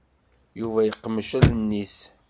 Yuba yeqmec allen-is.